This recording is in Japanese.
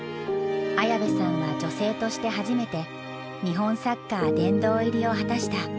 綾部さんは女性として初めて「日本サッカー殿堂入り」を果たした。